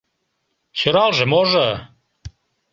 — Сӧралже можо!